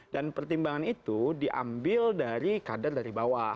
dan pertimbangan itu diambil dari kader dari bawah